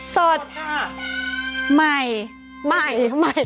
สวัสดีค่ะ